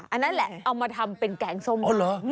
อันนั้นแหละเอามาทำเป็นแกงส้ม